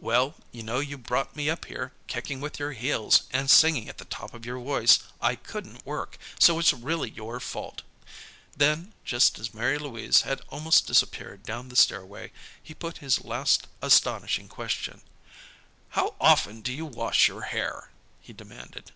"Well, you know you brought me up here, kicking with your heels, and singing at the top of your voice. I couldn't work. So it's really your fault." Then, just as Mary Louise had almost disappeared down the stairway he put his last astonishing question. "How often do you wash your hair?" he demanded.